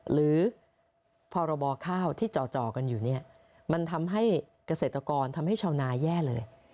หรือพรบข้าวที่จ่อกันอยู่เนี่ยมันทำให้เกษตรกรทำให้ชาวนาแย่เลย